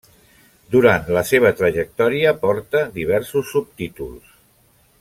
Durant la seva trajectòria porta diversos subtítols.